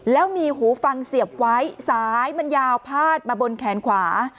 แล้วมีหูฟังเสียบไว้สายมันยาวพาดมาบนแขนขวา